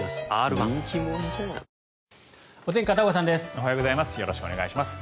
おはようございます。